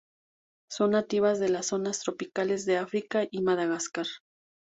Son nativas de las zonas tropicales de África y Madagascar.